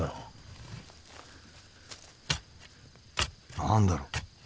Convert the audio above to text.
何だろう？